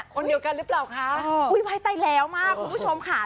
คนเดียวกันหรือเปล่าคะอุ้ยไว้ใต้แล้วมากคุณผู้ชมค่ะ